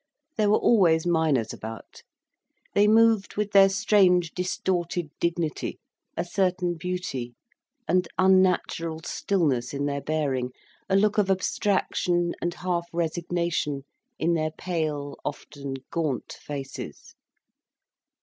There were always miners about. They moved with their strange, distorted dignity, a certain beauty, and unnatural stillness in their bearing, a look of abstraction and half resignation in their pale, often gaunt faces.